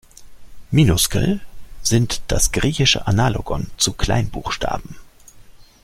Minuskel sind das griechische Analogon zu Kleinbuchstaben.